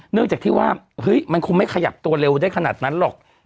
เนื่องจากที่ว่าเฮ้ยมันคงไม่ขยับตัวเร็วได้ขนาดนั้นหรอก